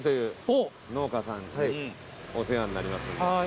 お世話になりますんで。